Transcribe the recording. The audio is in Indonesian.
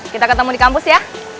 sampai jumpa di kampus ya